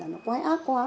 nó quá ác quá